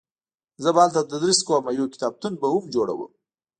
زه به هلته تدریس کوم او یو کتابتون به هم جوړوم